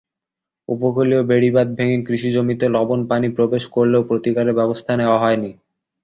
উপকূলীয় বেড়িবাঁধ ভেঙে কৃষিজমিতে লবণ পানি প্রবেশ করলেও প্রতিকারে ব্যবস্থা নেওয়া হয়নি।